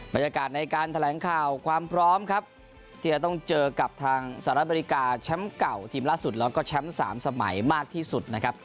บรรยากาศในการแถลงข่าวความพร้อมครับที่จะต้องเจอกับทางสหรัฐอเมริกาแชมป์เก่าทีมล่าสุดแล้วก็แชมป์๓สมัยมากที่สุดนะครับ